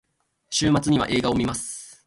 週末には映画を観ます。